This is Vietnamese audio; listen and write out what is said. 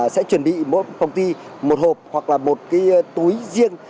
sẽ chuẩn bị một phòng thi một hộp hoặc là một túi riêng